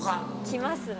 来ますね